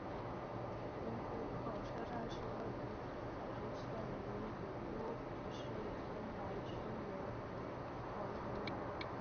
盐釜口车站是位于爱知县名古屋市天白区盐釜口一丁目。